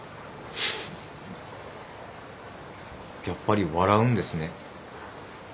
やっぱり笑うんですね。